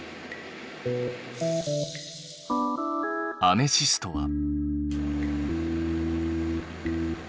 アメシストは。